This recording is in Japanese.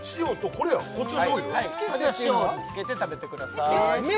こちら塩につけて食べてください